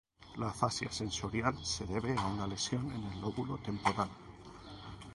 La afasia sensorial se debe a una lesión en el lóbulo temporal.